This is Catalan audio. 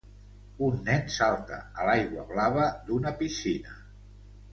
un nen salta a l'aigua blava d'una piscina.